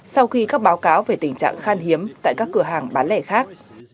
sau khi các báo cáo về tình trạng khan hiếm tại các cửa hàng bán lẻ khác